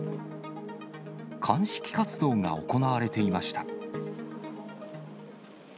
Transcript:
鑑識活動が行われていました。